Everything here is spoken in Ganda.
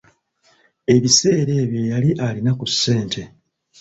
Ebiseera ebyo yali alina ku ssente.